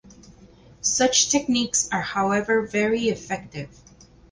Such techniques are however very effective.